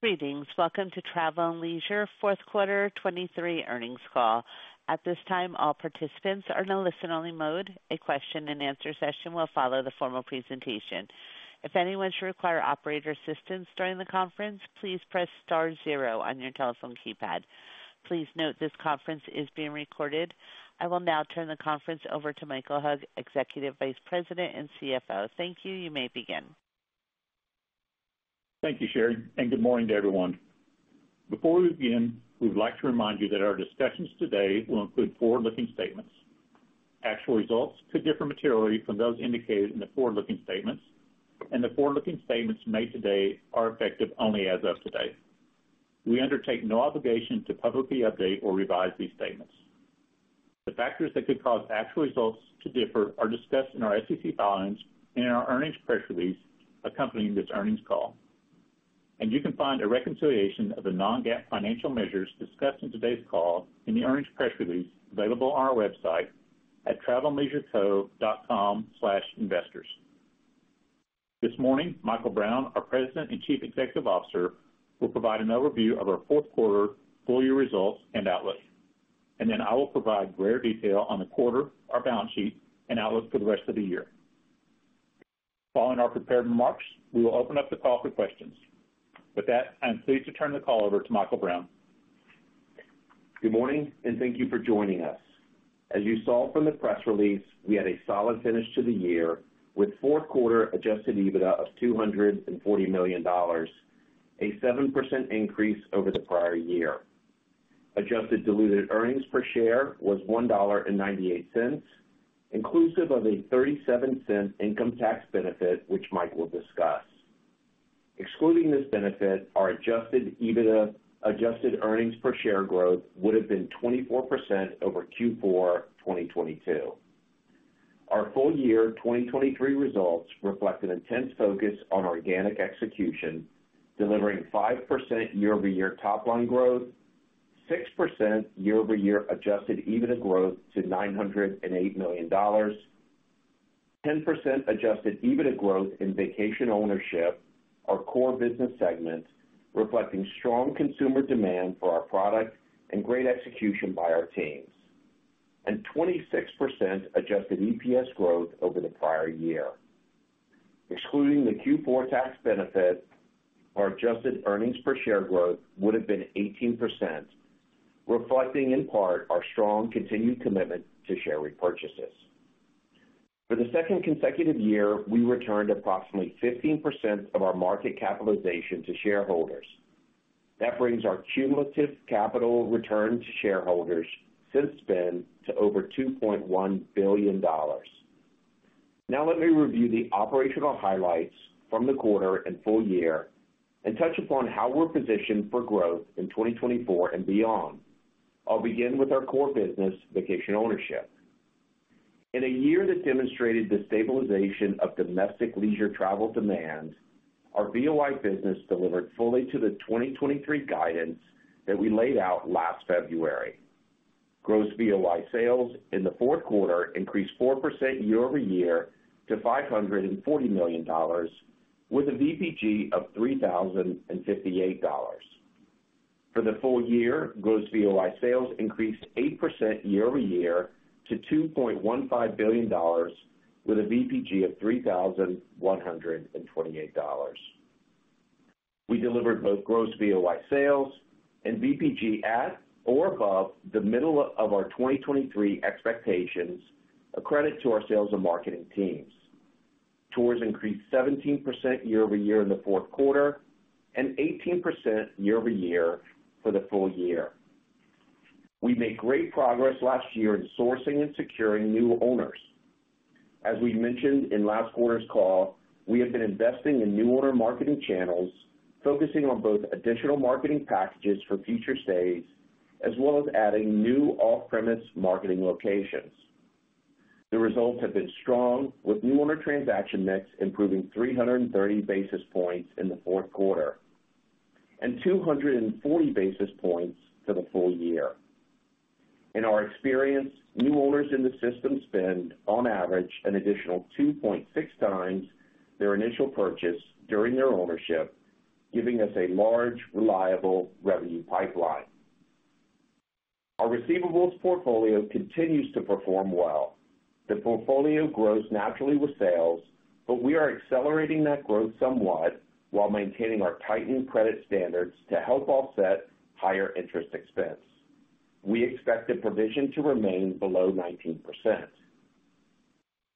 Greetings. Welcome to Travel + Leisure fourth quarter 2023 earnings call. At this time, all participants are in a listen-only mode. A question-and-answer session will follow the formal presentation. If anyone should require operator assistance during the conference, please press star 0 on your telephone keypad. Please note this conference is being recorded. I will now turn the conference over to Michael Hug, Executive Vice President and CFO. Thank you, you may begin. Thank you, Sherry, and good morning to everyone. Before we begin, we would like to remind you that our discussions today will include forward-looking statements. Actual results could differ materially from those indicated in the forward-looking statements, and the forward-looking statements made today are effective only as of today. We undertake no obligation to publicly update or revise these statements. The factors that could cause actual results to differ are discussed in our SEC filings and in our earnings press release accompanying this earnings call. You can find a reconciliation of the non-GAAP financial measures discussed in today's call in the earnings press release available on our website at travelleisureco.com/investors. This morning, Michael Brown, our President and Chief Executive Officer, will provide an overview of our fourth quarter full-year results and outlook, and then I will provide greater detail on the quarter, our balance sheet, and outlook for the rest of the year. Following our prepared remarks, we will open up the call for questions. With that, I am pleased to turn the call over to Michael Brown. Good morning, and thank you for joining us. As you saw from the press release, we had a solid finish to the year with fourth quarter adjusted EBITDA of $240 million, a 7% increase over the prior year. Adjusted diluted earnings per share was $1.98, inclusive of a $0.37 income tax benefit which Mike will discuss. Excluding this benefit, our adjusted EBITDA adjusted earnings per share growth would have been 24% over fourth quarter 2022. Our full-year 2023 results reflect an intense focus on organic execution, delivering 5% year-over-year top-line growth, 6% year-over-year adjusted EBITDA growth to $908 million, 10% adjusted EBITDA growth in Vacation Ownership, our core business segment reflecting strong consumer demand for our product and great execution by our teams, and 26% adjusted EPS growth over the prior year. Excluding the Q4 tax benefit, our adjusted earnings per share growth would have been 18%, reflecting in part our strong continued commitment to share repurchases. For the second consecutive year, we returned approximately 15% of our market capitalization to shareholders. That brings our cumulative capital return to shareholders since then to over $2.1 billion. Now let me review the operational highlights from the quarter and full year and touch upon how we're positioned for growth in 2024 and beyond. I'll begin with our core business, vacation ownership. In a year that demonstrated the stabilization of domestic leisure travel demand, our VOI business delivered fully to the 2023 guidance that we laid out last February. Gross VOI sales in the fourth quarter increased 4% year-over-year to $540 million, with a VPG of $3,058. For the full year, gross VOI sales increased 8% year-over-year to $2.15 billion, with a VPG of $3,128. We delivered both gross VOI sales and VPG at or above the middle of our 2023 expectations, a credit to our sales and marketing teams. Tours increased 17% year-over-year in the fourth quarter and 18% year-over-year for the full year. We made great progress last year in sourcing and securing new owners. As we mentioned in last quarter's call, we have been investing in new owner marketing channels, focusing on both additional marketing packages for future stays as well as adding new off-premise marketing locations. The results have been strong, with new owner transaction mix improving 330 basis points in the fourth quarter and 240 basis points for the full year. In our experience, new owners in the system spend, on average, an additional 2.6 times their initial purchase during their ownership, giving us a large, reliable revenue pipeline. Our receivables portfolio continues to perform well. The portfolio grows naturally with sales, but we are accelerating that growth somewhat while maintaining our tightened credit standards to help offset higher interest expense. We expect the provision to remain below 19%.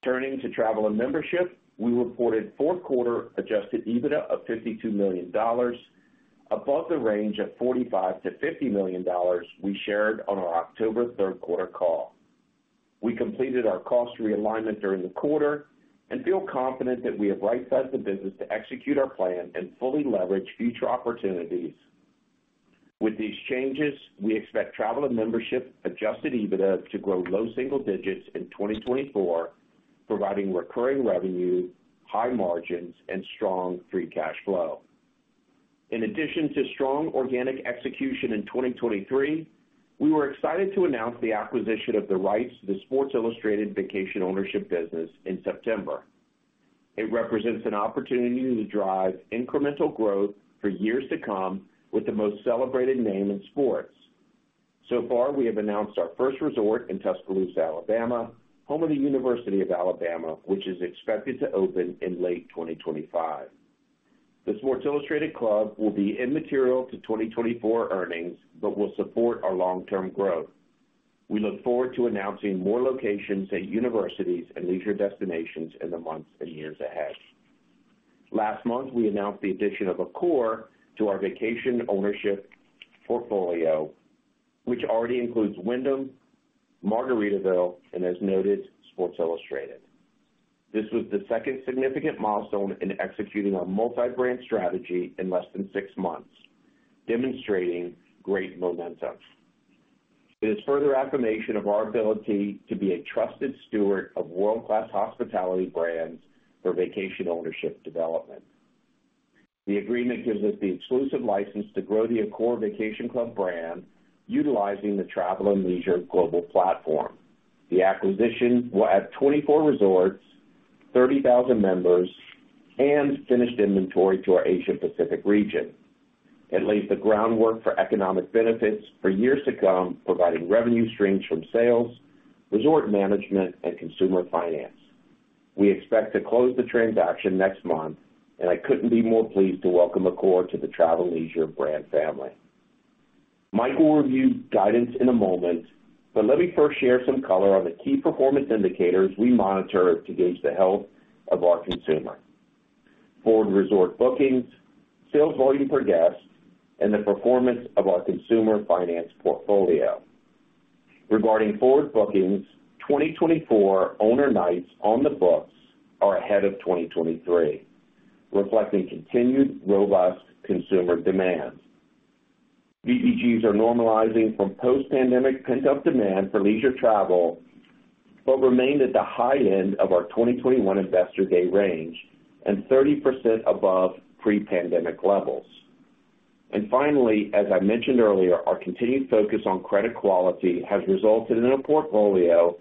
Turning to Travel and Membership, we reported fourth quarter Adjusted EBITDA of $52 million, above the range of $45-$50 million we shared on our October third quarter call. We completed our cost realignment during the quarter and feel confident that we have right-sized the business to execute our plan and fully leverage future opportunities. With these changes, we expect Travel and Membership Adjusted EBITDA to grow low single digits in 2024, providing recurring revenue, high margins, and strong free cash flow. In addition to strong organic execution in 2023, we were excited to announce the acquisition of the rights to the Sports Illustrated Vacation Ownership business in September. It represents an opportunity to drive incremental growth for years to come with the most celebrated name in sports. So far, we have announced our first resort in Tuscaloosa, Alabama, home of the University of Alabama, which is expected to open in late 2025. The Sports Illustrated Club will be immaterial to 2024 earnings but will support our long-term growth. We look forward to announcing more locations at universities and leisure destinations in the months and years ahead. Last month, we announced the addition of Accor to our vacation ownership portfolio, which already includes Wyndham, Margaritaville, and, as noted, Sports Illustrated. This was the second significant milestone in executing our multi-brand strategy in less than six months, demonstrating great momentum. It is further affirmation of our ability to be a trusted steward of world-class hospitality brands for vacation ownership development. The agreement gives us the exclusive license to grow the Accor Vacation Club brand utilizing the Travel + Leisure global platform. The acquisition will add 24 resorts, 30,000 members, and finished inventory to our Asia-Pacific region. It lays the groundwork for economic benefits for years to come, providing revenue streams from sales, resort management, and consumer finance. We expect to close the transaction next month, and I couldn't be more pleased to welcome Accor to the Travel + Leisure brand family. Mike will review guidance in a moment, but let me first share some color on the key performance indicators we monitor to gauge the health of our consumer: forward resort bookings, sales volume per guest, and the performance of our consumer finance portfolio. Regarding forward bookings, 2024 owner nights on the books are ahead of 2023, reflecting continued robust consumer demand. VPGs are normalizing from post-pandemic pent-up demand for leisure travel but remain at the high end of our 2021 investor day range and 30% above pre-pandemic levels. Finally, as I mentioned earlier, our continued focus on credit quality has resulted in a portfolio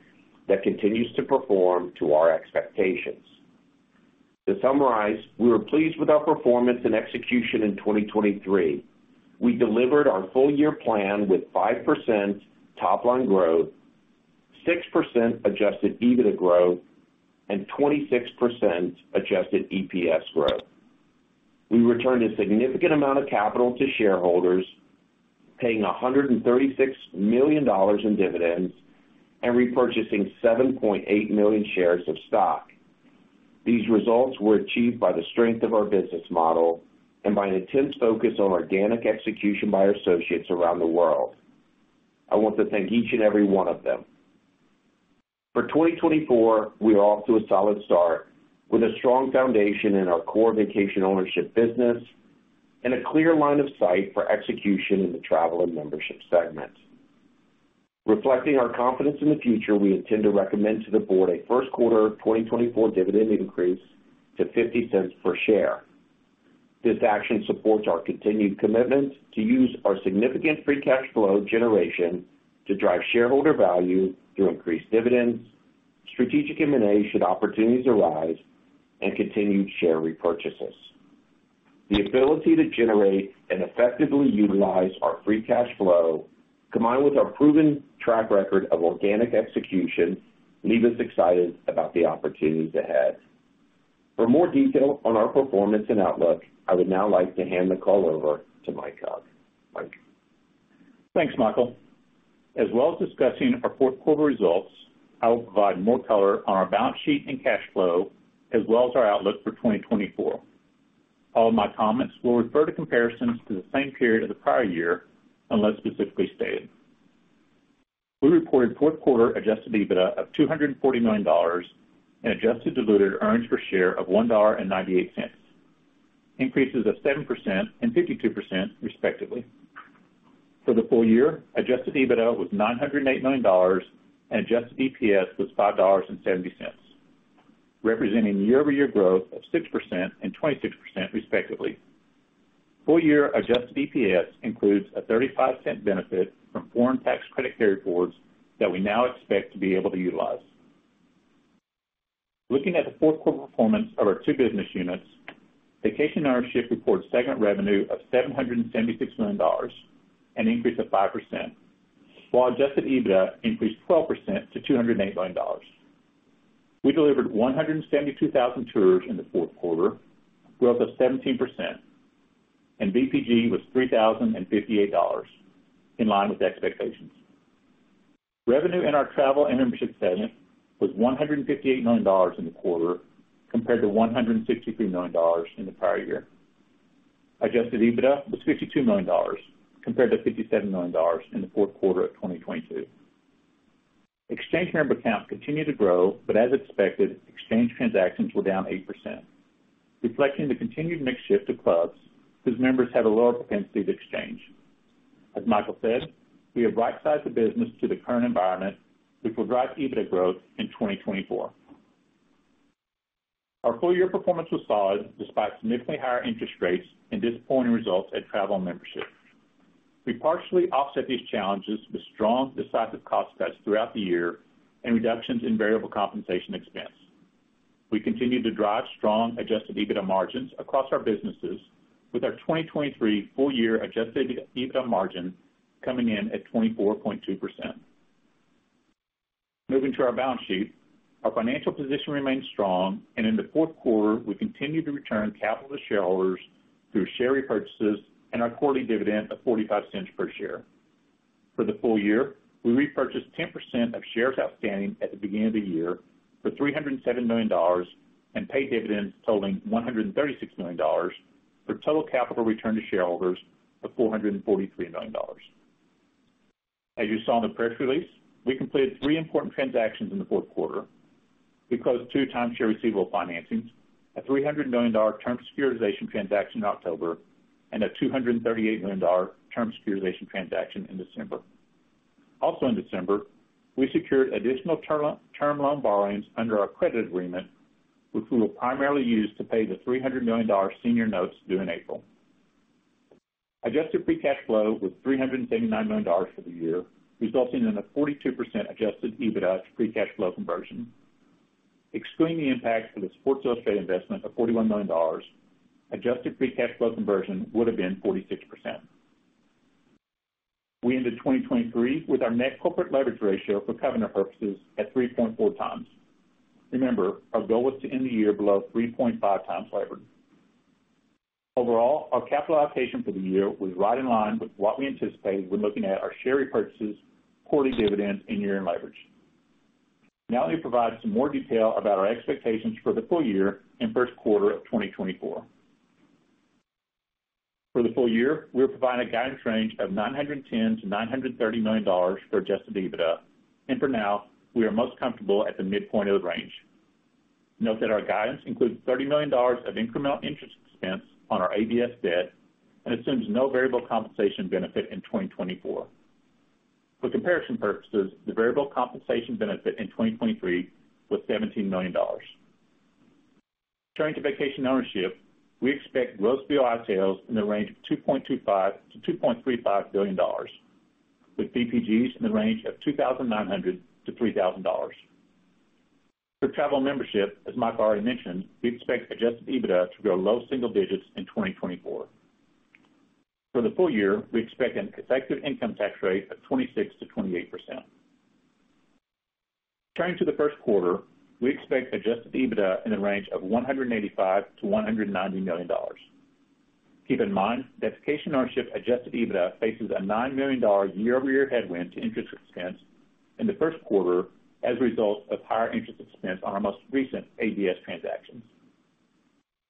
that continues to perform to our expectations. To summarize, we were pleased with our performance and execution in 2023. We delivered our full-year plan with 5% top-line growth, 6% Adjusted EBITDA growth, and 26% Adjusted EPS growth. We returned a significant amount of capital to shareholders, paying $136 million in dividends and repurchasing 7.8 million shares of stock. These results were achieved by the strength of our business model and by an intense focus on organic execution by our associates around the world. I want to thank each and every one of them. For 2024, we are off to a solid start with a strong foundation in our core vacation ownership business and a clear line of sight for execution in the travel and membership segment. Reflecting our confidence in the future, we intend to recommend to the board a first quarter 2024 dividend increase to $0.50 per share. This action supports our continued commitment to use our significant free cash flow generation to drive shareholder value through increased dividends, strategic M&A should opportunities arise, and continued share repurchases. The ability to generate and effectively utilize our free cash flow, combined with our proven track record of organic execution, leaves us excited about the opportunities ahead. For more detail on our performance and outlook, I would now like to hand the call over to Mike Hug. Mike. Thanks, Michael. As well as discussing our fourth quarter results, I will provide more color on our balance sheet and cash flow as well as our outlook for 2024. All of my comments will refer to comparisons to the same period of the prior year unless specifically stated. We reported fourth quarter adjusted EBITDA of $240 million and adjusted diluted earnings per share of $1.98, increases of 7% and 52% respectively. For the full year, adjusted EBITDA was $908 million and adjusted EPS was $5.70, representing year-over-year growth of 6% and 26% respectively. Full-year adjusted EPS includes a $0.35 benefit from foreign tax credit carryforwards that we now expect to be able to utilize. Looking at the fourth quarter performance of our two business units, Vacation Ownership reported segment revenue of $776 million and an increase of 5%, while adjusted EBITDA increased 12% to $208 million. We delivered 172,000 tours in the fourth quarter, growth of 17%, and VPG was $3,058 in line with expectations. Revenue in our Travel and Membership segment was $158 million in the quarter compared to $163 million in the prior year. Adjusted EBITDA was $52 million compared to $57 million in the fourth quarter of 2022. Exchange member count continued to grow, but as expected, exchange transactions were down 8%, reflecting the continued mixed shift to clubs whose members have a lower propensity to exchange. As Michael said, we have right-sized the business to the current environment, which will drive EBITDA growth in 2024. Our full-year performance was solid despite significantly higher interest rates and disappointing results at Travel and Membership. We partially offset these challenges with strong, decisive cost cuts throughout the year and reductions in variable compensation expense. We continue to drive strong Adjusted EBITDA margins across our businesses, with our 2023 full-year Adjusted EBITDA margin coming in at 24.2%. Moving to our balance sheet, our financial position remains strong, and in the fourth quarter, we continue to return capital to shareholders through share repurchases and our quarterly dividend of $0.45 per share. For the full year, we repurchased 10% of shares outstanding at the beginning of the year for $307 million and paid dividends totaling $136 million for total capital return to shareholders of $443 million. As you saw in the press release, we completed three important transactions in the fourth quarter. We closed two timeshare receivable financings, a $300 million term securitization transaction in October and a $238 million term securitization transaction in December. Also in December, we secured additional term loan borrowings under our credit agreement, which we will primarily use to pay the $300 million senior notes due in April. Adjusted Free Cash Flow was $379 million for the year, resulting in a 42% Adjusted EBITDA to free cash flow conversion. Excluding the impact for the Sports Illustrated investment of $41 million, adjusted free cash flow conversion would have been 46%. We ended 2023 with our Net Corporate Leverage Ratio for covenant purposes at 3.4 times. Remember, our goal was to end the year below 3.5 times leverage. Overall, our capital allocation for the year was right in line with what we anticipated when looking at our share repurchases, quarterly dividends, and by year-end leverage. Now let me provide some more detail about our expectations for the full year and first quarter of 2024. For the full year, we are providing a guidance range of $910-$930 million for Adjusted EBITDA, and for now, we are most comfortable at the midpoint of the range. Note that our guidance includes $30 million of incremental interest expense on our ABS debt and assumes no variable compensation benefit in 2024. For comparison purposes, the variable compensation benefit in 2023 was $17 million. Turning to vacation ownership, we expect gross VOI sales in the range of $2.25-$2.35 billion, with VPGs in the range of $2,900-$3,000. For travel membership, as Mike already mentioned, we expect Adjusted EBITDA to grow low single digits in 2024. For the full year, we expect an effective income tax rate of 26%-28%. Turning to the first quarter, we expect Adjusted EBITDA in the range of $185-$190 million. Keep in mind that vacation ownership adjusted EBITDA faces a $9 million year-over-year headwind to interest expense in the first quarter as a result of higher interest expense on our most recent ABS transactions.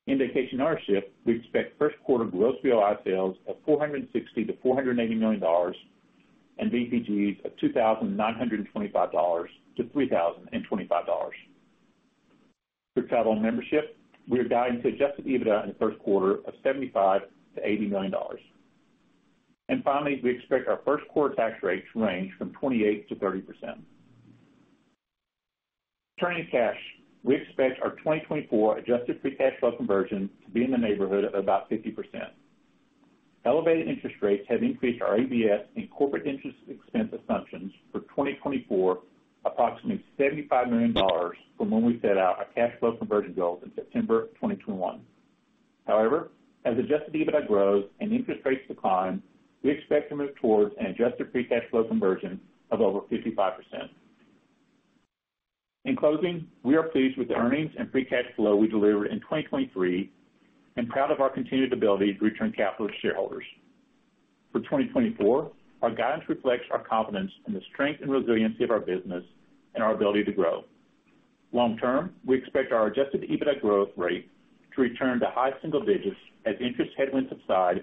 In vacation ownership, we expect first quarter gross VOI sales of $460-$480 million and VPGs of $2,925-$3,025. For travel membership, we are guiding to adjusted EBITDA in the first quarter of $75-$80 million. And finally, we expect our first quarter tax rate to range from 28%-30%. Turning to cash, we expect our 2024 adjusted free cash flow conversion to be in the neighborhood of about 50%. Elevated interest rates have increased our ABS and corporate interest expense assumptions for 2024 approximately $75 million from when we set out our cash flow conversion goals in September of 2021. However, as Adjusted EBITDA grows and interest rates decline, we expect to move towards an Adjusted Free Cash Flow conversion of over 55%. In closing, we are pleased with the earnings and free cash flow we delivered in 2023 and proud of our continued ability to return capital to shareholders. For 2024, our guidance reflects our confidence in the strength and resiliency of our business and our ability to grow. Long-term, we expect our Adjusted EBITDA growth rate to return to high single digits as interest headwinds subside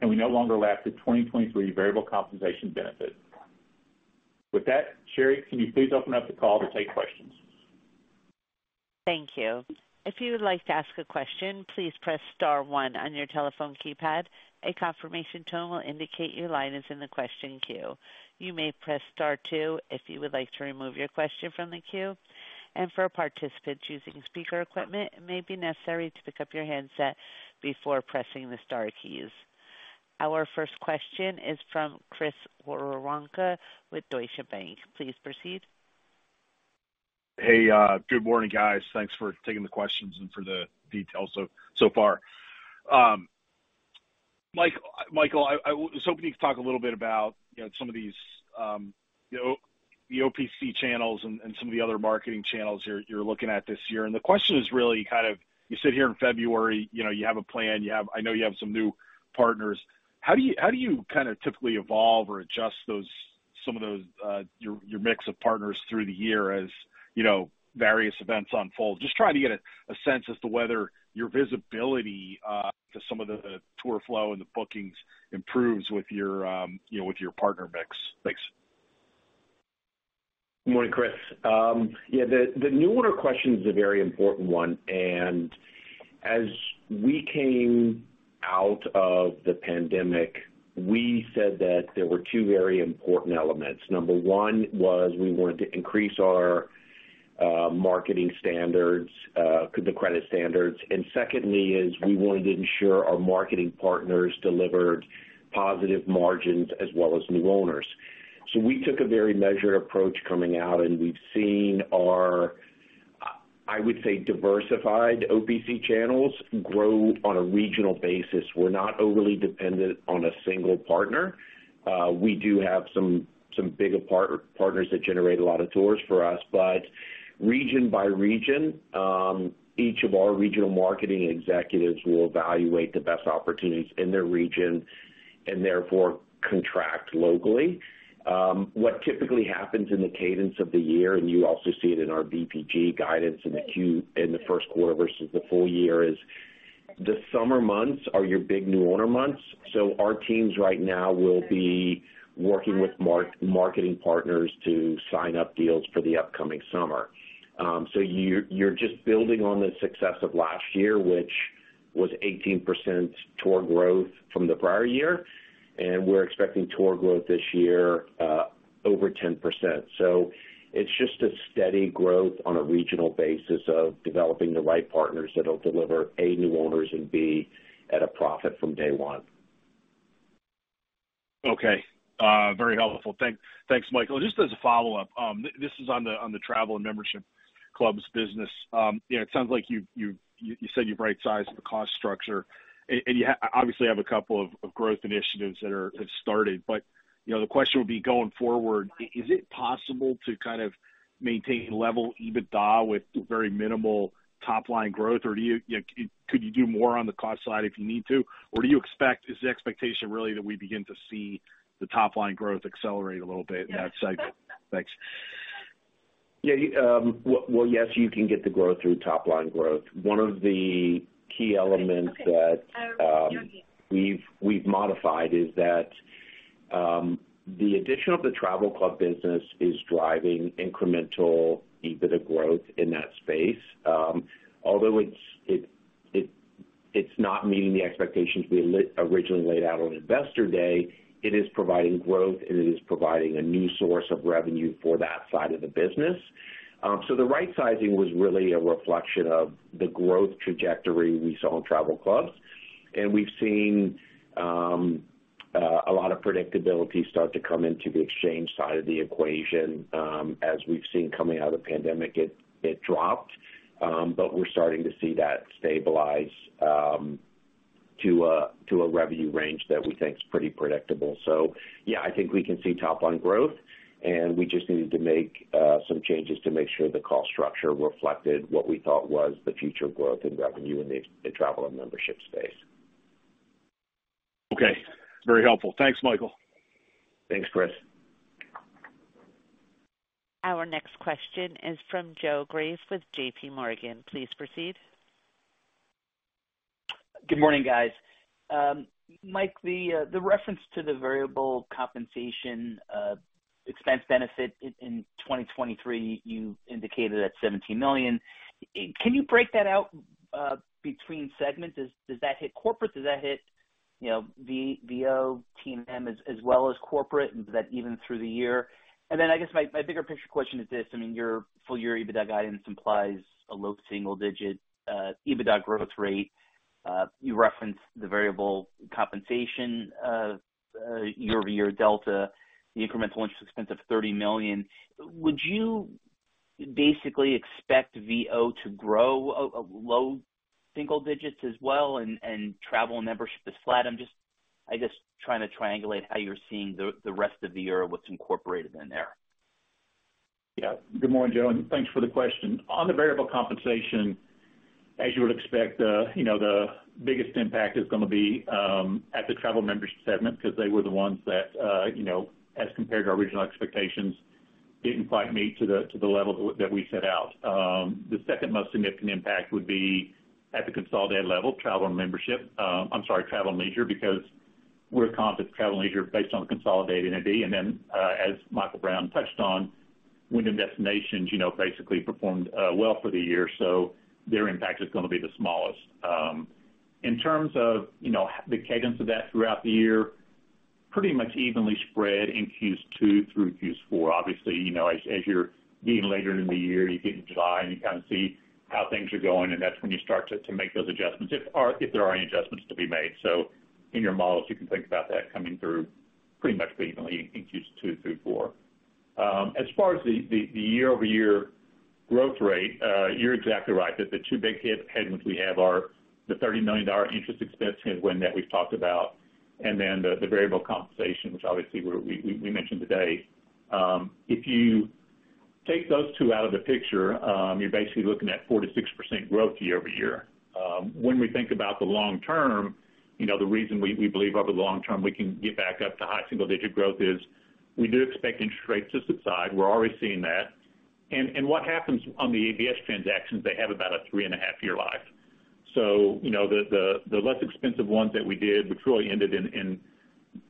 and we no longer lapse the 2023 variable compensation benefit. With that, Sherry, can you please open up the call to take questions? Thank you. If you would like to ask a question, please press star one on your telephone keypad. A confirmation tone will indicate your line is in the question queue. You may press star two if you would like to remove your question from the queue. For participants using speaker equipment, it may be necessary to pick up your headset before pressing the star keys. Our first question is from Chris Woronka with Deutsche Bank. Please proceed. Hey, good morning, guys. Thanks for taking the questions and for the details so far. Michael, I was hoping you could talk a little bit about some of these OPC channels and some of the other marketing channels you're looking at this year. The question is really kind of you sit here in February, you have a plan, I know you have some new partners. How do you kind of typically evolve or adjust some of your mix of partners through the year as various events unfold? Just trying to get a sense as to whether your visibility to some of the tour flow and the bookings improves with your partner mix. Thanks. Good morning, Chris. Yeah, the new order of questions is a very important one. And as we came out of the pandemic, we said that there were two very important elements. Number one was we wanted to increase our marketing standards, the credit standards. And secondly is we wanted to ensure our marketing partners delivered positive margins as well as new owners. So we took a very measured approach coming out, and we've seen our, I would say, diversified OPC channels grow on a regional basis. We're not overly dependent on a single partner. We do have some bigger partners that generate a lot of tours for us. But region by region, each of our regional marketing executives will evaluate the best opportunities in their region and therefore contract locally. What typically happens in the cadence of the year, and you also see it in our VPG guidance in the first quarter versus the full year, is the summer months are your big new owner months. So our teams right now will be working with marketing partners to sign up deals for the upcoming summer. So you're just building on the success of last year, which was 18% tour growth from the prior year, and we're expecting tour growth this year over 10%. So it's just a steady growth on a regional basis of developing the right partners that'll deliver, A, new owners, and B, at a profit from day one. Okay. Very helpful. Thanks, Michael. Just as a follow-up, this is on the Travel and Membership clubs business. It sounds like you said you've right-sized the cost structure. And you obviously have a couple of growth initiatives that have started. But the question would be going forward, is it possible to kind of maintain level EBITDA with very minimal top-line growth? Or could you do more on the cost side if you need to? Or is the expectation really that we begin to see the top-line growth accelerate a little bit in that segment? Thanks. Yeah. Well, yes, you can get the growth through top-line growth. One of the key elements that we've modified is that the addition of the travel club business is driving incremental EBITDA growth in that space. Although it's not meeting the expectations we originally laid out on investor day, it is providing growth, and it is providing a new source of revenue for that side of the business. So the right-sizing was really a reflection of the growth trajectory we saw in travel clubs. And we've seen a lot of predictability start to come into the exchange side of the equation. As we've seen coming out of the pandemic, it dropped, but we're starting to see that stabilize to a revenue range that we thinks pretty predictable. So yeah, I think we can see top-line growth, and we just needed to make some changes to make sure the cost structure reflected what we thought was the future growth and revenue in the travel and membership space. Okay. Very helpful. Thanks, Michael. Thanks, Chris. Our next question is from Joe Greff with JPMorgan. Please proceed. Good morning, guys. Mike, the reference to the variable compensation expense benefit in 2023, you indicated at $17 million. Can you break that out between segments? Does that hit corporate? Does that hit VO, T&M, as well as corporate? And does that even through the year? And then I guess my bigger picture question is this. I mean, your full-year EBITDA guidance implies a low single-digit EBITDA growth rate. You referenced the variable compensation year-over-year delta, the incremental interest expense of $30 million. Would you basically expect VO to grow low single digits as well and Travel and Membership to flat? I'm just, I guess, trying to triangulate how you're seeing the rest of the year with some corporate in there. Yeah. Good morning, Joe. And thanks for the question. On the variable compensation, as you would expect, the biggest impact is going to be at the Travel and Membership segment because they were the ones that, as compared to our regional expectations, didn't quite meet to the level that we set out. The second most significant impact would be at the consolidated level, Travel and Membership, I'm sorry, Travel + Leisure, because we're confident Travel + Leisure based on the consolidated NAD. And then, as Michael Brown touched on, Wyndham Destinations basically performed well for the year, so their impact is going to be the smallest. In terms of the cadence of that throughout the year, pretty much evenly spread in Q2 through fourth quarter. Obviously, as you're getting later in the year, you get July, and you kind of see how things are going, and that's when you start to make those adjustments if there are any adjustments to be made. So in your models, you can think about that coming through pretty much evenly in Q2 through Q4. As far as the year-over-year growth rate, you're exactly right that the two big headwinds we have are the $30 million interest expense headwind that we've talked about and then the variable compensation, which obviously we mentioned today. If you take those two out of the picture, you're basically looking at 4%-6% growth year-over-year. When we think about the long term, the reason we believe over the long term we can get back up to high single-digit growth is we do expect interest rates to subside. We're already seeing that. What happens on the ABS transactions, they have about a 3.5-year life. So the less expensive ones that we did, which really ended in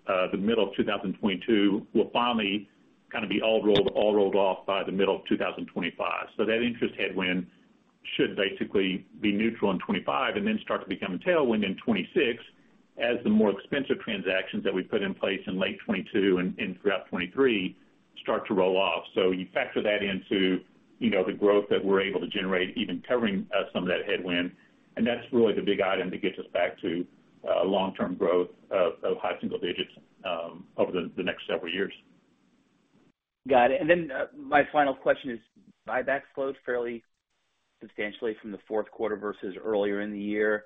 the middle of 2022, will finally kind of be all rolled off by the middle of 2025. So that interest headwind should basically be neutral in 2025 and then start to become a tailwind in 2026 as the more expensive transactions that we put in place in late 2022 and throughout 2023 start to roll off. So you factor that into the growth that we're able to generate even covering some of that headwind. And that's really the big item to get us back to long-term growth of high single digits over the next several years. Got it. And then my final question is: Buyback slowed fairly substantially from the fourth quarter versus earlier in the year.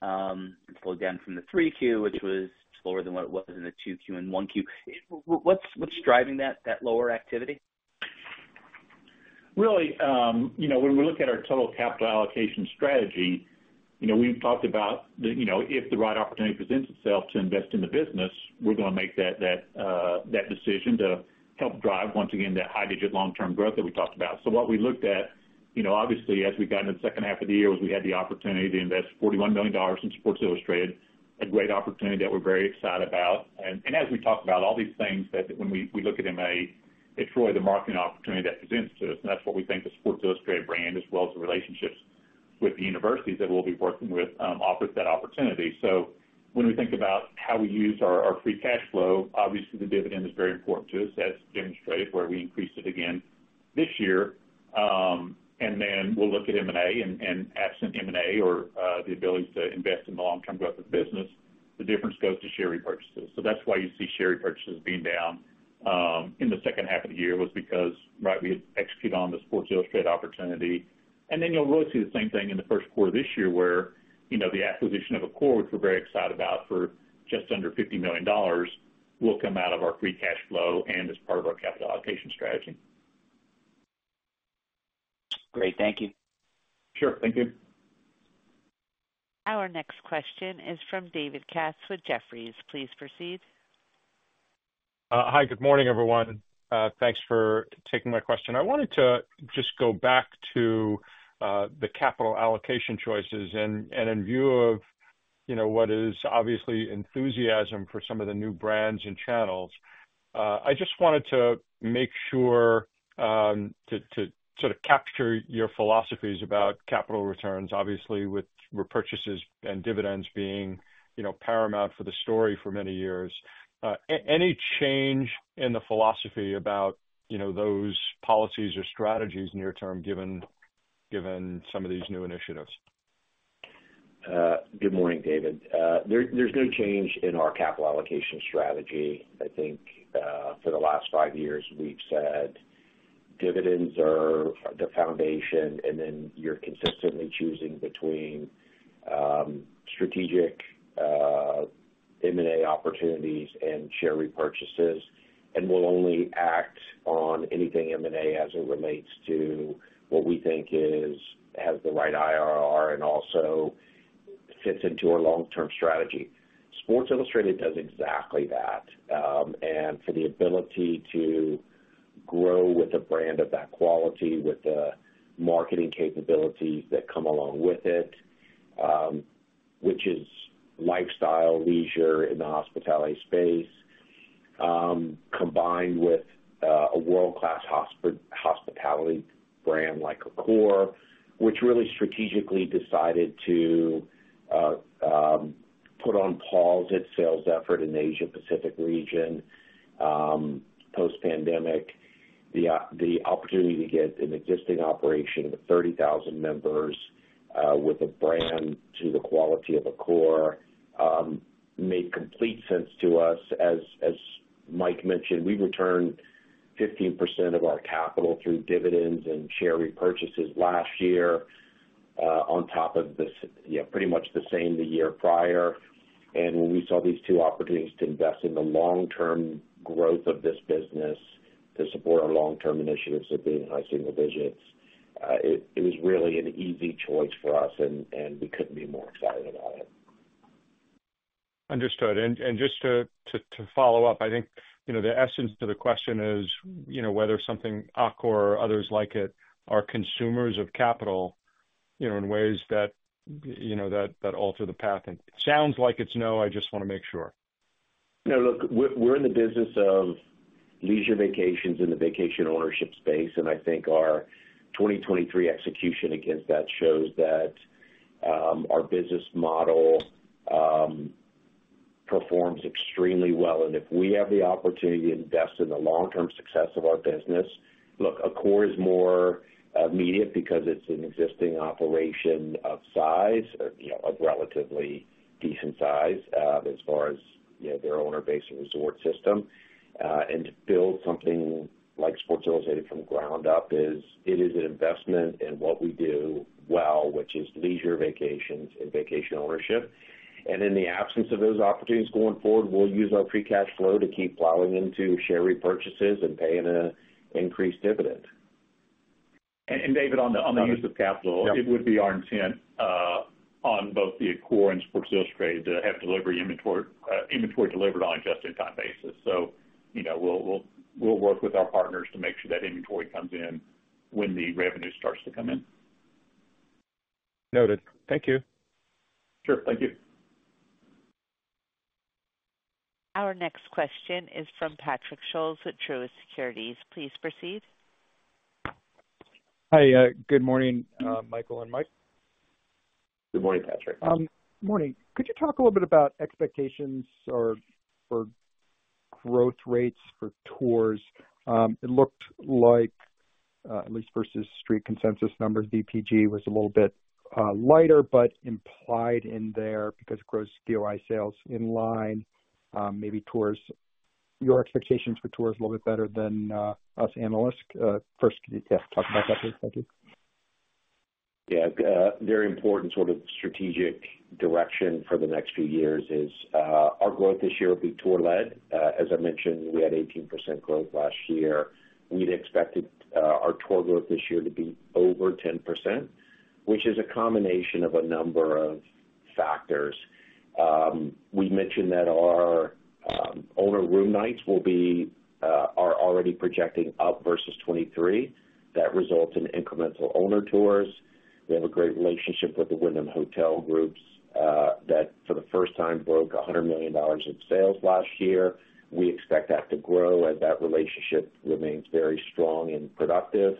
It slowed down from the 3Q, which was slower than what it was in the 2Q and 1Q. What's driving that lower activity? Really, when we look at our total capital allocation strategy, we've talked about if the right opportunity presents itself to invest in the business, we're going to make that decision to help drive, once again, that high-digit long-term growth that we talked about. So what we looked at, obviously, as we got into the second half of the year, was we had the opportunity to invest $41 million in Sports Illustrated, a great opportunity that we're very excited about. And as we talk about all these things, when we look at M&A, it's really the marketing opportunity that presents to us. And that's what we think the Sports Illustrated brand, as well as the relationships with the universities that we'll be working with, offers that opportunity. So when we think about how we use our free cash flow, obviously, the dividend is very important to us, as demonstrated, where we increased it again this year. And then we'll look at M&A and absent M&A or the ability to invest in the long-term growth of the business, the difference goes to share repurchases. So that's why you see share repurchases being down in the second half of the year was because, right, we had executed on the Sports Illustrated opportunity. And then you'll really see the same thing in the first quarter this year where the acquisition of Accor, which we're very excited about for just under $50 million, will come out of our free cash flow and as part of our capital allocation strategy. Great. Thank you. Sure. Thank you. Our next question is from David Katz with Jefferies. Please proceed. Hi. Good morning, everyone. Thanks for taking my question. I wanted to just go back to the capital allocation choices. In view of what is obviously enthusiasm for some of the new brands and channels, I just wanted to make sure to sort of capture your philosophies about capital returns, obviously, with repurchases and dividends being paramount for the story for many years. Any change in the philosophy about those policies or strategies near-term given some of these new initiatives? Good morning, David. There's no change in our capital allocation strategy. I think for the last 5 years, we've said dividends are the foundation, and then you're consistently choosing between strategic M&A opportunities and share repurchases. We'll only act on anything M&A as it relates to what we think has the right IRR and also fits into our long-term strategy. Sports Illustrated does exactly that. For the ability to grow with a brand of that quality, with the marketing capabilities that come along with it, which is lifestyle, leisure, in the hospitality space, combined with a world-class hospitality brand like Accor, which really strategically decided to put on pause its sales effort in the Asia-Pacific region post-pandemic, the opportunity to get an existing operation of 30,000 members with a brand to the quality of Accor, made complete sense to us. As Mike mentioned, we returned 15% of our capital through dividends and share repurchases last year on top of pretty much the same the year prior. And when we saw these two opportunities to invest in the long-term growth of this business to support our long-term initiatives of being high single digits, it was really an easy choice for us, and we couldn't be more excited about it. Understood. Just to follow up, I think the essence of the question is whether something Accor or others like it are consumers of capital in ways that alter the path. It sounds like it's no. I just want to make sure. No. Look, we're in the business of leisure vacations in the vacation ownership space. And I think our 2023 execution against that shows that our business model performs extremely well. And if we have the opportunity to invest in the long-term success of our business look, Accor is more immediate because it's an existing operation of size, of relatively decent size as far as their owner-based resort system. And to build something like Sports Illustrated from ground up, it is an investment in what we do well, which is leisure vacations and vacation ownership. And in the absence of those opportunities going forward, we'll use our free cash flow to keep plowing into share repurchases and paying an increased dividend. And David, on the use of capital, it would be our intent on both the Accor and Sports Illustrated to have delivery inventory delivered on a just-in-time basis. So we'll work with our partners to make sure that inventory comes in when the revenue starts to come in. Noted. Thank you. Sure. Thank you. Our next question is from Patrick Scholes with Truist Securities. Please proceed. Hi. Good morning, Michael and Mike. Good morning, Patrick. Morning. Could you talk a little bit about expectations for growth rates for tours? It looked like, at least versus street consensus numbers, VPG was a little bit lighter but implied in there because it grows DOI sales in line. Maybe your expectations for tours a little bit better than us analysts. First, yeah, talk about that, please. Thank you. Yeah. Very important sort of strategic direction for the next few years is our growth this year will be tour-led. As I mentioned, we had 18% growth last year. We'd expected our tour growth this year to be over 10%, which is a combination of a number of factors. We mentioned that our owner room nights are already projecting up versus 2023. That results in incremental owner tours. We have a great relationship with the Wyndham Hotels & Resorts that, for the first time, broke $100 million in sales last year. We expect that to grow as that relationship remains very strong and productive.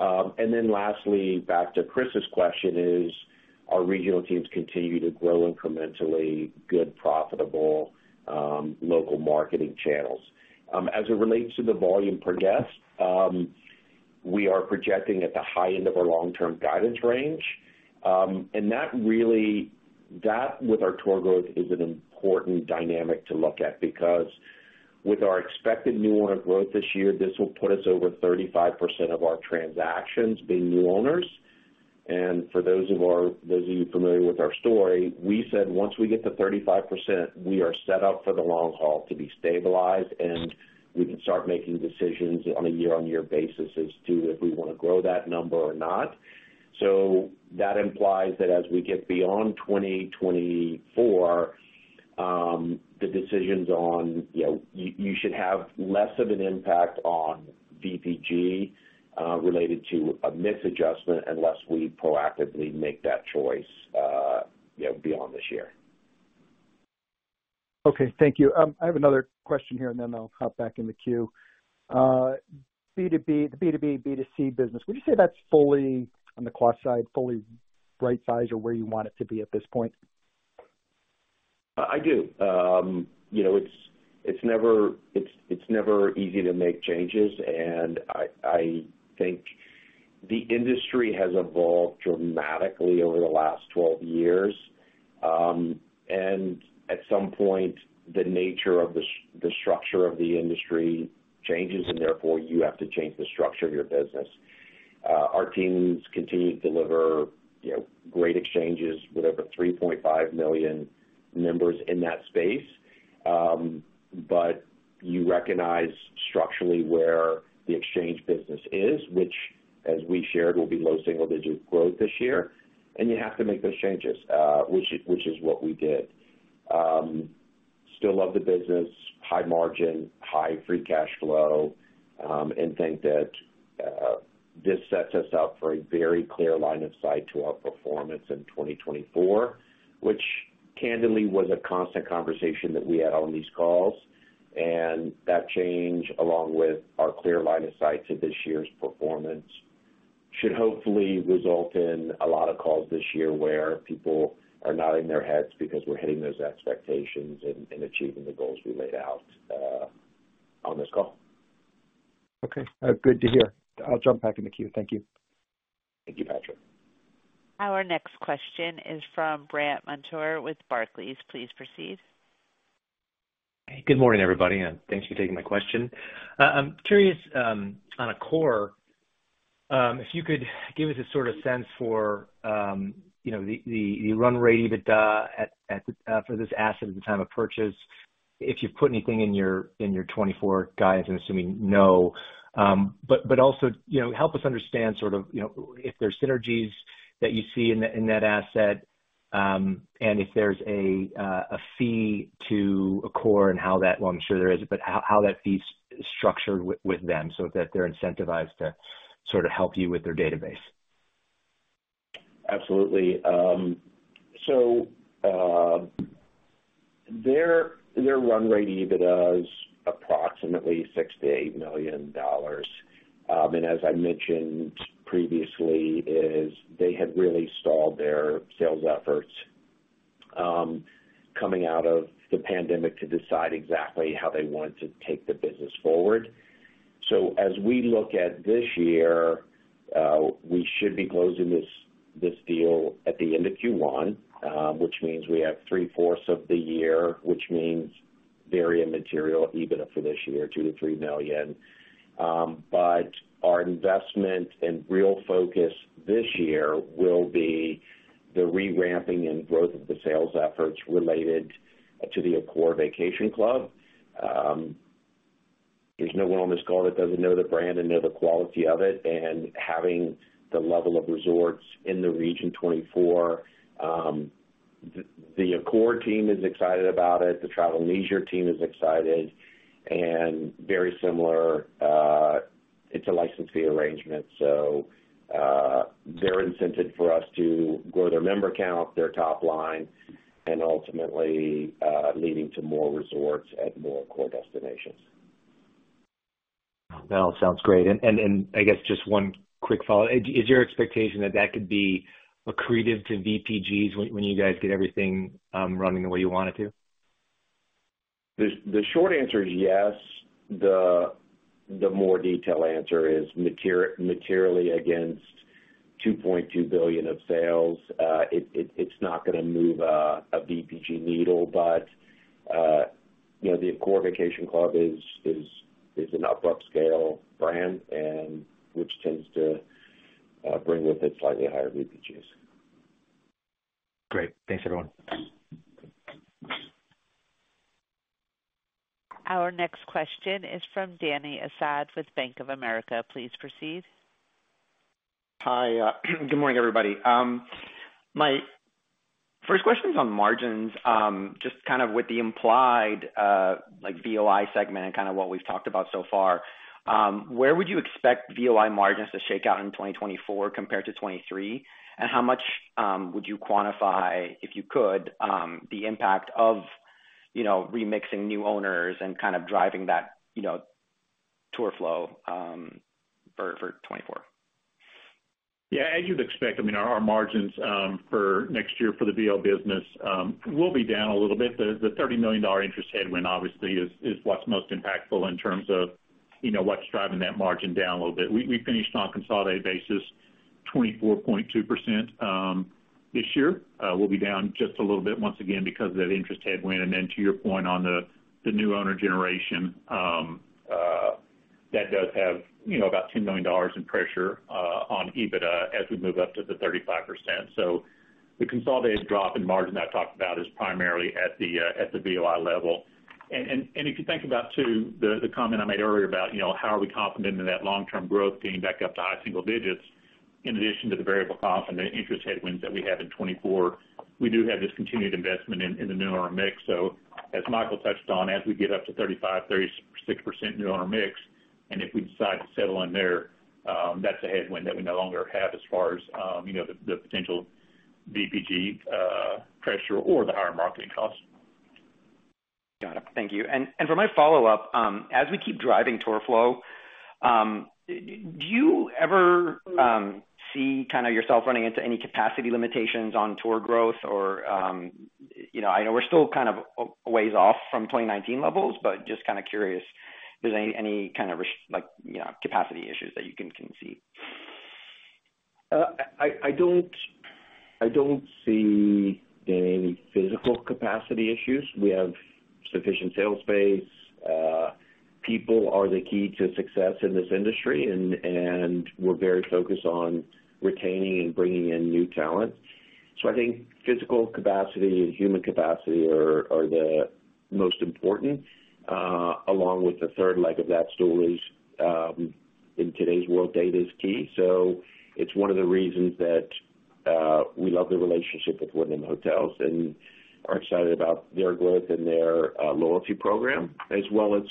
And then lastly, back to Chris's question is, our regional teams continue to grow incrementally good, profitable local marketing channels. As it relates to the volume per guest, we are projecting at the high end of our long-term guidance range. And that, with our tour growth, is an important dynamic to look at because, with our expected new owner growth this year, this will put us over 35% of our transactions being new owners. And for those of you familiar with our story, we said once we get to 35%, we are set up for the long haul to be stabilized, and we can start making decisions on a year-on-year basis as to if we want to grow that number or not. So that implies that as we get beyond 2024, the decisions on you should have less of an impact on VPG related to a misadjustment unless we proactively make that choice beyond this year. Okay. Thank you. I have another question here, and then I'll hop back in the queue. The B2B, B2C business, would you say that's fully on the cost side, fully right size or where you want it to be at this point? I do. It's never easy to make changes. And I think the industry has evolved dramatically over the last 12 years. And at some point, the nature of the structure of the industry changes, and therefore, you have to change the structure of your business. Our teams continue to deliver great exchanges with over 3.5 million members in that space. But you recognize structurally where the exchange business is, which, as we shared, will be low single-digit growth this year. And you have to make those changes, which is what we did. Still love the business, high margin, high free cash flow, and think that this sets us up for a very clear line of sight to our performance in 2024, which, candidly, was a constant conversation that we had on these calls. That change, along with our clear line of sight to this year's performance, should hopefully result in a lot of calls this year where people are nodding their heads because we're hitting those expectations and achieving the goals we laid out on this call. Okay. Good to hear. I'll jump back in the queue. Thank you. Thank you, Patrick. Our next question is from Brandt Montour with Barclays. Please proceed. Good morning, everybody, and thanks for taking my question. I'm curious, on Accor, if you could give us a sort of sense for the run rate EBITDA for this asset at the time of purchase, if you've put anything in your 2024 guidance, I'm assuming no. But also, help us understand sort of if there's synergies that you see in that asset and if there's a fee to Accor and how that well, I'm sure there is, but how that fee's structured with them so that they're incentivized to sort of help you with their database. Absolutely. So their run rate EBITDA is approximately $6-$8 million. As I mentioned previously, they had really stalled their sales efforts coming out of the pandemic to decide exactly how they wanted to take the business forward. So as we look at this year, we should be closing this deal at the end of Q1, which means we have three-fourths of the year, which means very immaterial even for this year, $2-$3 million. But our investment and real focus this year will be the reramping and growth of the sales efforts related to the Accor Vacation Club. There's no one on this call that doesn't know the brand and know the quality of it. And having the level of resorts in the region 24, the Accor team is excited about it. The Travel + Leisure team is excited. Very similar, it's a license fee arrangement, so they're incented for us to grow their member count, their top line, and ultimately leading to more resorts at more Accor destinations. That all sounds great. I guess just one quick follow-up. Is your expectation that that could be accretive to VPGs when you guys get everything running the way you want it to? The short answer is yes. The more detailed answer is materially against $2.2 billion of sales, it's not going to move a VPG needle. But the Accor Vacation Club is an up-upscale brand, which tends to bring with it slightly higher VPGs. Great. Thanks, everyone. Our next question is from Dany Assad with Bank of America. Please proceed. Hi. Good morning, everybody. My first question is on margins, just kind of with the implied VOI segment and kind of what we've talked about so far. Where would you expect VOI margins to shake out in 2024 compared to 2023? And how much would you quantify, if you could, the impact of remixing new owners and kind of driving that tour flow for 2024? Yeah. As you'd expect, I mean, our margins for next year for the VO business will be down a little bit. The $30 million interest headwind, obviously, is what's most impactful in terms of what's driving that margin down a little bit. We finished on a consolidated basis, 24.2% this year. We'll be down just a little bit once again because of that interest headwind. And then to your point on the new owner generation, that does have about $10 million in pressure on EBITDA as we move up to the 35%. So the consolidated drop in margin that I've talked about is primarily at the VOI level. And if you think about, too, the comment I made earlier about how are we confident in that long-term growth getting back up to high single digits in addition to the variable confidence interest headwinds that we have in 2024, we do have this continued investment in the new owner mix. So as Michael touched on, as we get up to 35%-36% new owner mix, and if we decide to settle in there, that's a headwind that we no longer have as far as the potential VPG pressure or the higher marketing costs. Got it. Thank you. For my follow-up, as we keep driving tour flow, do you ever see kind of yourself running into any capacity limitations on tour growth? Or I know we're still kind of a ways off from 2019 levels, but just kind of curious, is there any kind of capacity issues that you can see? I don't see, Dany, any physical capacity issues. We have sufficient sales space. People are the key to success in this industry, and we're very focused on retaining and bringing in new talent. So I think physical capacity and human capacity are the most important. Along with the third leg of that stool is, in today's world, data is key. So it's one of the reasons that we love the relationship with Wyndham Hotels and are excited about their growth and their loyalty program. As well as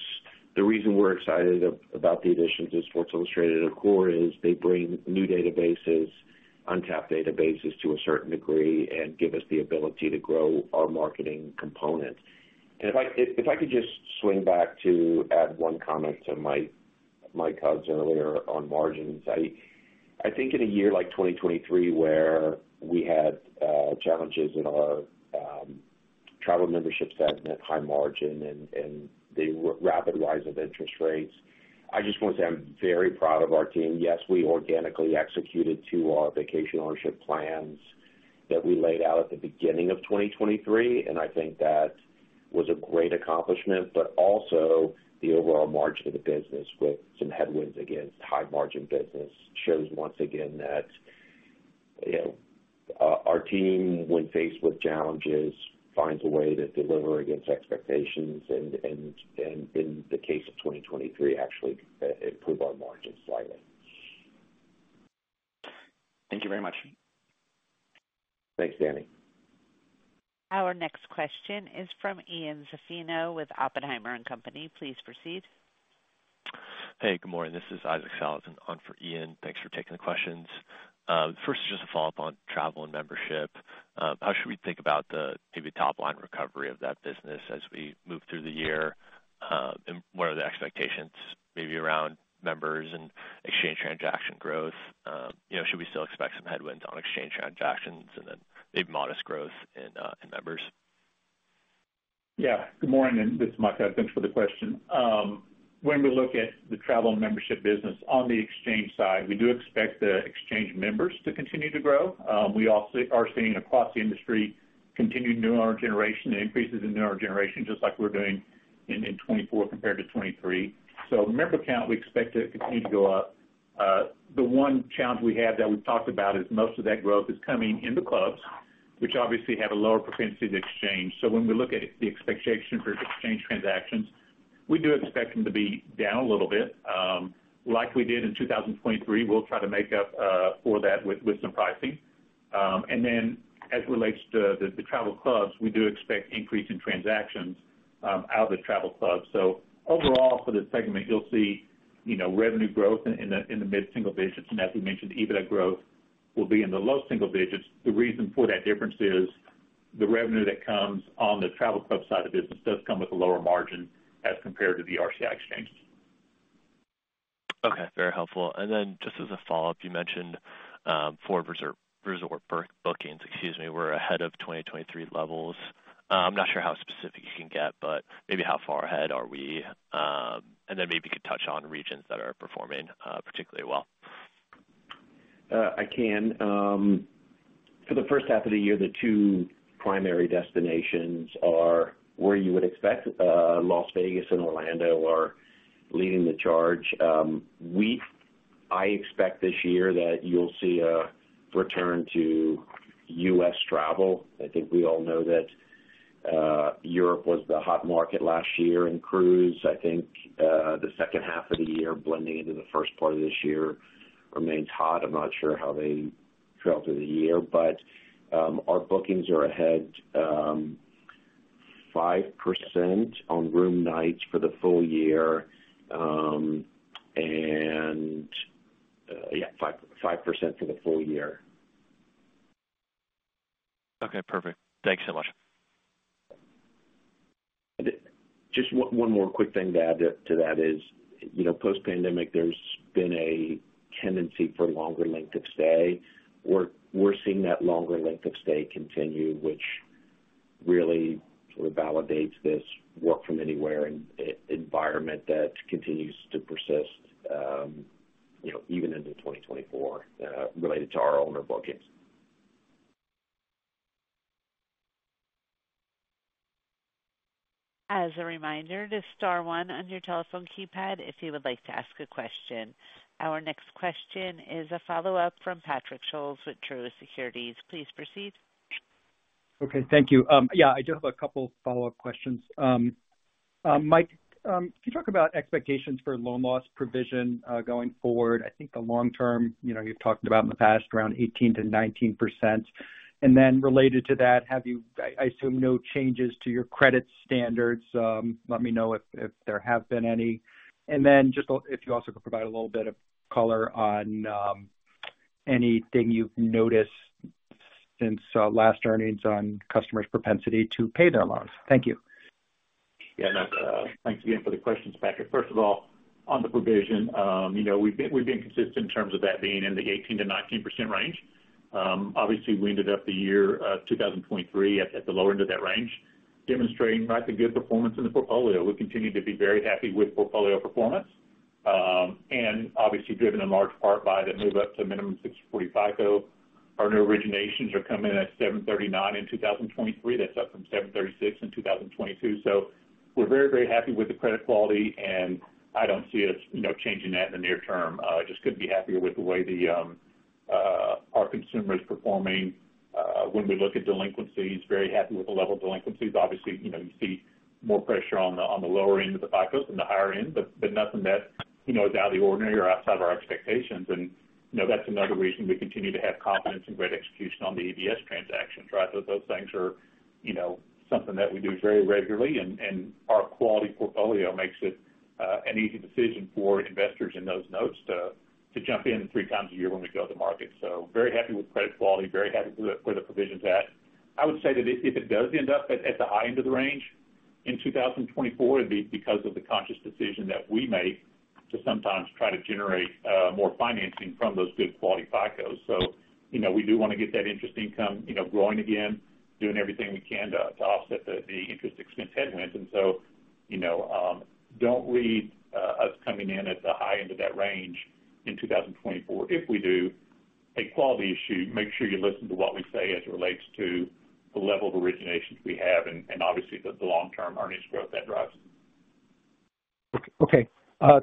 the reason we're excited about the additions to Sports Illustrated and Accor is they bring new databases, untapped databases to a certain degree, and give us the ability to grow our marketing component. If I could just swing back to add one comment to Mike Hug's earlier on margins, I think in a year like 2023 where we had challenges in our travel memberships that met high margin and the rapid rise of interest rates, I just want to say I'm very proud of our team. Yes, we organically executed two of our vacation ownership plans that we laid out at the beginning of 2023, and I think that was a great accomplishment. But also, the overall margin of the business with some headwinds against high-margin business shows once again that our team, when faced with challenges, finds a way to deliver against expectations and, in the case of 2023, actually improve our margins slightly. Thank you very much. Thanks, Dany. Our next question is from Ian Zaffino with Oppenheimer & Company. Please proceed. Hey. Good morning. This is Isaac Sellhausen on for Ian. Thanks for taking the questions. First, just a follow-up on Travel and Membership. How should we think about maybe top-line recovery of that business as we move through the year? And what are the expectations maybe around members and exchange transaction growth? Should we still expect some headwinds on exchange transactions and then maybe modest growth in members? Yeah. Good morning, and this is Mike Hug. Thanks for the question. When we look at the travel membership business on the exchange side, we do expect the exchange members to continue to grow. We are seeing, across the industry, continued new owner generation and increases in new owner generation just like we're doing in 2024 compared to 2023. So member count, we expect it to continue to go up. The one challenge we have that we've talked about is most of that growth is coming in the clubs, which obviously have a lower propensity to exchange. So when we look at the expectation for exchange transactions, we do expect them to be down a little bit. Like we did in 2023, we'll try to make up for that with some pricing. As it relates to the travel clubs, we do expect increase in transactions out of the travel clubs. Overall, for this segment, you'll see revenue growth in the mid-single digits. As we mentioned, EBITDA growth will be in the low single digits. The reason for that difference is the revenue that comes on the travel club side of business does come with a lower margin as compared to the RCI exchanges. Okay. Very helpful. Then just as a follow-up, you mentioned for resort bookings, excuse me, we're ahead of 2023 levels. I'm not sure how specific you can get, but maybe how far ahead are we? Then maybe you could touch on regions that are performing particularly well. I can. For the first half of the year, the two primary destinations are where you would expect: Las Vegas and Orlando are leading the charge. I expect this year that you'll see a return to U.S. travel. I think we all know that Europe was the hot market last year in cruise. I think the second half of the year blending into the first part of this year remains hot. I'm not sure how they fell through the year. But our bookings are ahead 5% on room nights for the full year and yeah, 5% for the full year. Okay. Perfect. Thanks so much. Just one more quick thing to add to that is, post-pandemic, there's been a tendency for longer length of stay. We're seeing that longer length of stay continue, which really sort of validates this work-from-anywhere environment that continues to persist even into 2024 related to our owner bookings. As a reminder, to star one on your telephone keypad if you would like to ask a question. Our next question is a follow-up from Patrick Scholes with Truist Securities. Please proceed. Okay. Thank you. Yeah, I do have a couple of follow-up questions. Mike, can you talk about expectations for loan loss provision going forward? I think the long-term, you've talked about in the past around 18%-19%. And then related to that, have you? I assume no changes to your credit standards? Let me know if there have been any. And then just if you also could provide a little bit of color on anything you've noticed since last earnings on customers' propensity to pay their loans. Thank you. Yeah. And thanks again for the questions, Patrick. First of all, on the provision, we've been consistent in terms of that being in the 18%-19% range. Obviously, we ended up the year 2023 at the lower end of that range demonstrating rather good performance in the portfolio. We continue to be very happy with portfolio performance and obviously driven in large part by the move up to minimum 645.0. Our new originations are coming in at 739 in 2023. That's up from 736 in 2022. So we're very, very happy with the credit quality, and I don't see us changing that in the near term. I just couldn't be happier with the way our consumer is performing when we look at delinquencies. Very happy with the level of delinquencies. Obviously, you see more pressure on the lower end of the FICOs than the higher end, but nothing that is out of the ordinary or outside of our expectations. That's another reason we continue to have confidence in great execution on the ABS transactions, right? Those things are something that we do very regularly, and our quality portfolio makes it an easy decision for investors in those notes to jump in three times a year when we go to the market. Very happy with credit quality, very happy where the provision's at. I would say that if it does end up at the high end of the range in 2024, it'd be because of the conscious decision that we make to sometimes try to generate more financing from those good quality FICOs. We do want to get that interest income growing again, doing everything we can to offset the interest expense headwinds. Don't read us coming in at the high end of that range in 2024. If we do, a quality issue, make sure you listen to what we say as it relates to the level of originations we have and obviously the long-term earnings growth that drives. Okay.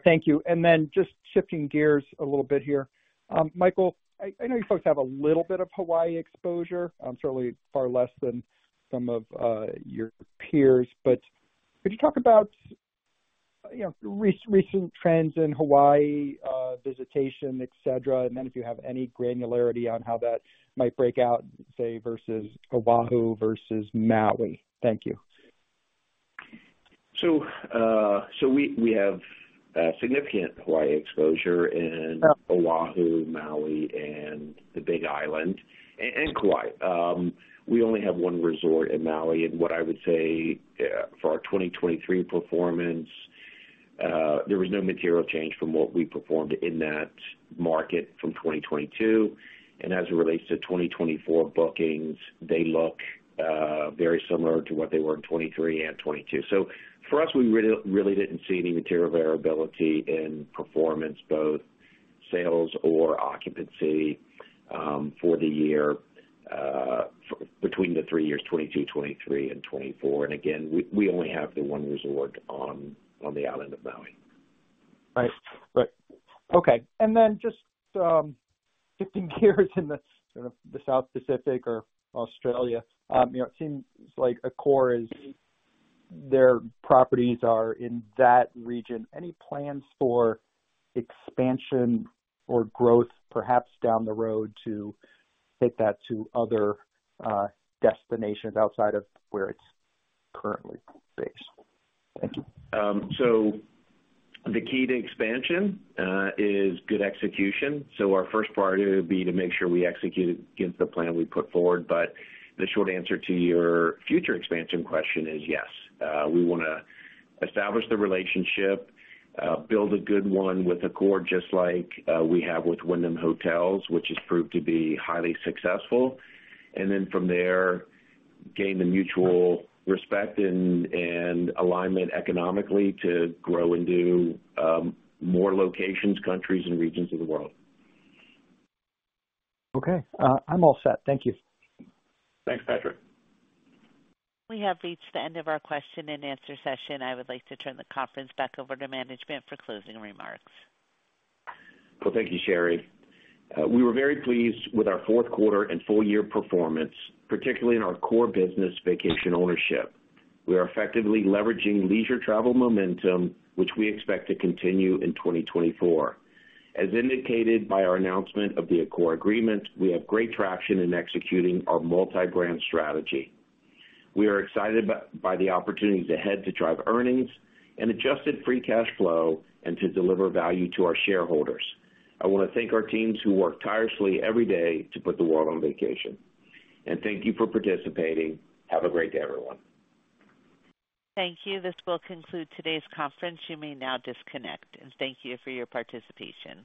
Thank you. Then just shifting gears a little bit here. Michael, I know you folks have a little bit of Hawaii exposure, certainly far less than some of your peers. But could you talk about recent trends in Hawaii visitation, etc.? And then if you have any granularity on how that might break out, say, versus Oahu versus Maui. Thank you. So we have significant Hawaii exposure in Oahu, Maui, and the Big Island, and Kauai. We only have one resort in Maui. And what I would say for our 2023 performance, there was no material change from what we performed in that market from 2022. And as it relates to 2024 bookings, they look very similar to what they were in 2023 and 2022. So for us, we really didn't see any material variability in performance, both sales or occupancy for the year between the three years, 2022, 2023, and 2024. And again, we only have the one resort on the island of Maui. Right. Right. Okay. And then just shifting gears in the sort of the South Pacific or Australia, it seems like Accor's properties are in that region. Any plans for expansion or growth perhaps down the road to take that to other destinations outside of where it's currently based? Thank you. So the key to expansion is good execution. So our first priority would be to make sure we execute against the plan we put forward. But the short answer to your future expansion question is yes. We want to establish the relationship, build a good one with Accor just like we have with Wyndham Hotels, which has proved to be highly successful. And then from there, gain the mutual respect and alignment economically to grow and do more locations, countries, and regions of the world. Okay. I'm all set. Thank you. Thanks, Patrick. We have reached the end of our question-and-answer session. I would like to turn the conference back over to management for closing remarks. Well, thank you, Sherry. We were very pleased with our fourth quarter and full-year performance, particularly in our core business, Vacation Ownership. We are effectively leveraging leisure travel momentum, which we expect to continue in 2024. As indicated by our announcement of the Accor agreement, we have great traction in executing our multi-brand strategy. We are excited by the opportunities ahead to drive earnings and Adjusted Free Cash Flow and to deliver value to our shareholders. I want to thank our teams who work tirelessly every day to put the world on vacation. Thank you for participating. Have a great day, everyone. Thank you. This will conclude today's conference. You may now disconnect. Thank you for your participation.